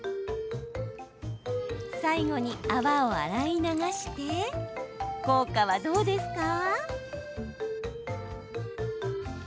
最後に、泡を洗い流して効果はどうですか？